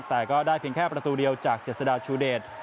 แต่ก็ได้เพียงแค่ประตูเดียวจากเจษฎาชูเดช